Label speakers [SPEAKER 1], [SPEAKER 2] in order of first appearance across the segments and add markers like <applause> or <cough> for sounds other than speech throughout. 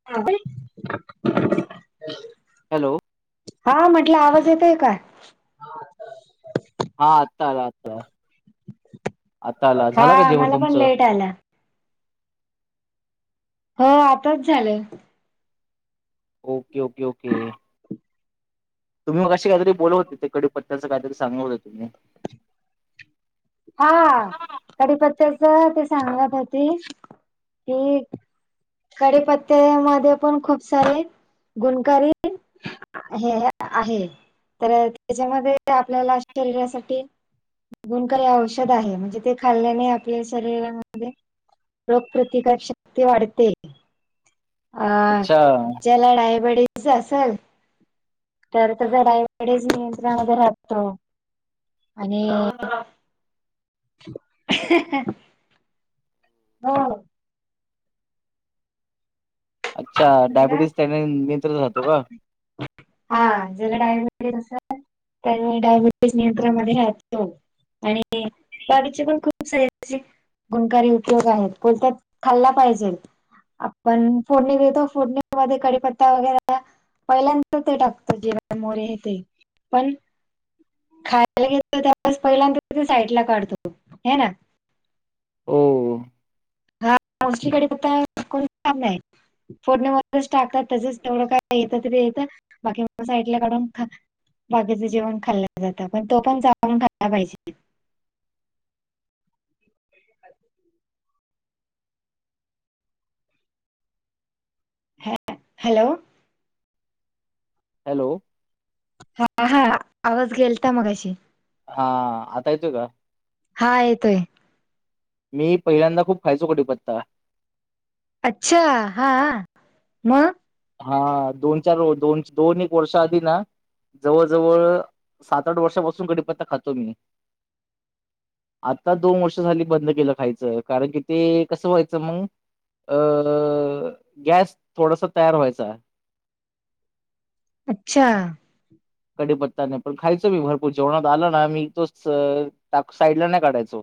[SPEAKER 1] <unintelligible>
[SPEAKER 2] Hello.
[SPEAKER 1] हां म्हटलं आवाज येतोय काय?
[SPEAKER 2] हा आता आला आता आता आला झाला का
[SPEAKER 1] हा
[SPEAKER 2] जेवण
[SPEAKER 1] मला पण
[SPEAKER 2] तुमचं?
[SPEAKER 1] लेट आला. हो आताच झालं.
[SPEAKER 2] Okay okay okay. तुम्ही मगाशी काहीतरी बोलव होते ते कढीपत्याचं काहीरी सांगत होते.
[SPEAKER 1] हा कडीपत्याच ते सांगत होती की कडीपत्त्या मध्ये पण खूप सारे गुणकारी हे हे आहे तर त्याच्यामध्ये आपल्याला शरीरासाठी गुणकाररी औषध आहे म्हणजे ते खाल्ल्याने आपल्या शरीरामध्ये रोगप्रतिकार शक्ती वाढते. अ
[SPEAKER 2] अच्छा
[SPEAKER 1] ज्याला डायबेटीस असेल. तर त <unintelligible> रायवाडेच नियंत्रण वग राहतो आणि. हो.
[SPEAKER 2] अच्छा
[SPEAKER 1] म्हटलं
[SPEAKER 2] डायबिटीस त्याने नियंत्र राहातो का.
[SPEAKER 1] हा ज डायबिटीस असेल त्या डायबिटीस नियंत्रण म राो <inaudible> आणि बागचे पण खूप सारे अस. गुणकारी उपयोग आहेत बोलत खाल्ला पाहिजे आपण फोडणी देतो. फोडण्यामध्ये कडीपत्ता वगैरे. पहिल्यांतर ते टाकत जेव्हा मोरे आहे ते पण. खायला घेतो त्यास पहिल्यांद साईड ला काढतो हे ना.
[SPEAKER 2] हो
[SPEAKER 1] मासकडे आता कोण च आहे <inaudible> फोडण्यामध्येच टाकतात त्याच तेवढं का येत तरी येतं बाकी साईडला काढून खा बाकीचं जेवण खाल्लं जातं पण तो पण जानू खायला पाहिजे. अल. हॅ- हॅलो.
[SPEAKER 2] हॅलो.
[SPEAKER 1] हा हा आवाज गेलता मघाशी.
[SPEAKER 2] हा आता येतोय का.
[SPEAKER 1] हा येतोय
[SPEAKER 2] मी पहिल्यांदा खूप खायचं कढीपत्ता.
[SPEAKER 1] अच्छा हा मग.
[SPEAKER 2] हा दोन चार दोन दोन एक वर्ष आधी ना. जवळ जवळ सात आठ वर्षापासून कडीपत्ता खातो मी. आता दोन वर्ष झाली बंद केलं खायचं कारण की ते कसं व्हायचं मग. अ गॅस थोडस तयार व्हायचा.
[SPEAKER 1] अच्छा.
[SPEAKER 2] कडीपत्ता नाही पण खायचो मी भरपूर जेवणात आल ना मी तो टा साईडला नाही काढायचो.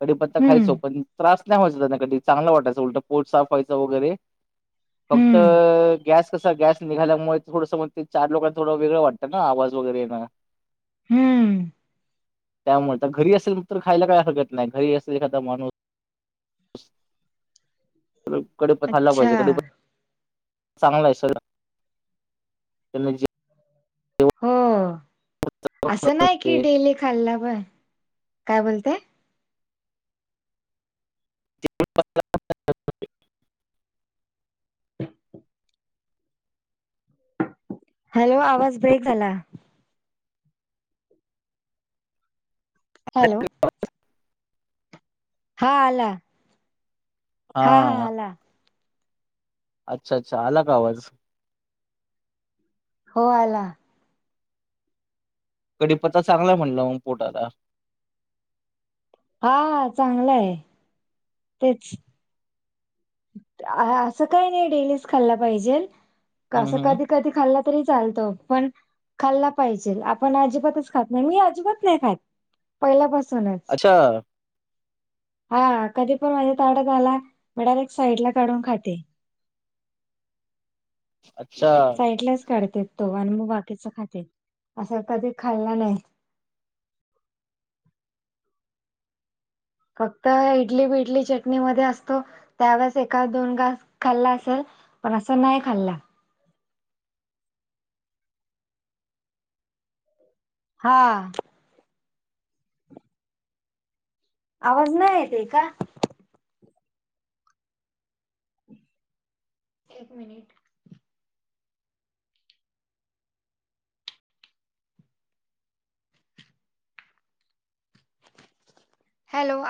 [SPEAKER 2] <inaudible> कडीपत्ता
[SPEAKER 1] हम्म
[SPEAKER 2] खायचो पण त्रास नाही व्हायचं त्यांना कधी चांगलं वाटायचं उलट पोट साफ व्हायचं वगैरे. फक्त
[SPEAKER 1] हम्म
[SPEAKER 2] गॅस कस गॅस निघाल्यामुळे थोडंस म ते चार लोकांना थोडं वेगळं वाटत. ना आवाज वगैरे ये ना.
[SPEAKER 1] हम्म.
[SPEAKER 2] त्यामुळे तर घरी असेल तर खायला काय हरकत नाही घरी असेल एखादा माणूस. कढीपता खाल्ला
[SPEAKER 1] अच्छा
[SPEAKER 2] पाहिजे कडे चांगला आहे स <unintelligible>
[SPEAKER 1] हो असं नाही की
[SPEAKER 2] ते.
[SPEAKER 1] डेली खाल्ला पय काय बोलतेय.
[SPEAKER 2] <inaudible>
[SPEAKER 1] हॅलो आवाज ब्रेक झाला. हॅलो. हा आला. हा हा आला.
[SPEAKER 2] अच्छा अच्छा आला का आवाज.
[SPEAKER 1] हो आला.
[SPEAKER 2] कडीपत्ता चांगलाय म्हणलं म पोटाला.
[SPEAKER 1] हा हा चांगलं आहे. तेच. असं काही नाही डेलीच खाल्ला पाहिजे
[SPEAKER 2] हम्म
[SPEAKER 1] असं
[SPEAKER 2] हम्म.
[SPEAKER 1] कधी. कधी खाल्ला तरी चालतो प न. खाल्ला पाहिजे आपण अजिबातच खात नाही मी अजिबात नाही खात पहिल्यापासूनच.
[SPEAKER 2] अच्छा.
[SPEAKER 1] हा कधी पण माझ्या तड्यात आला म्हड एक साईड ला काढून खाते
[SPEAKER 2] अच्छा
[SPEAKER 1] काढ तो आणि मग बाकीच खाते असं कधी खाल्ला नाही फक्त इडली बिडली चटणी मध्ये असतो त्यावेळेस एका दोन, घास खाल्ला असेल पण असं नाही खाल्ला हा आवाज नाही येत का एक मिनिट हॅलो